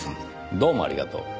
どうもありがとう。